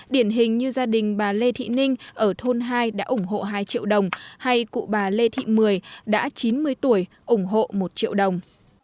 điển hình như gia đình bà lê thị ninh ở thôn hai đã ủng hộ hai triệu đồng hay cụ bà lê thị mười đã chín mươi tuổi ủng hộ một triệu đồng